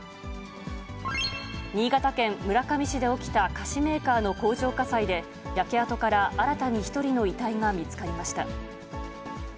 新潟県村上市で起きた菓子メーカーの工場火災で、焼け跡から新たに１人の遺体が見つかりました。